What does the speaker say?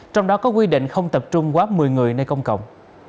trong đó có quy định không tập trung quá một mươi người nơi công cộng